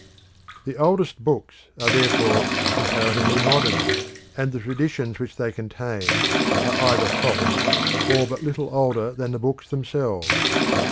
The oldest books are therefore comparatively modern, and the traditions which they contain are either false or but little older than the books themselves.